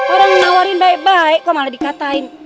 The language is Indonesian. orang nawarin baik baik kok malah dikatain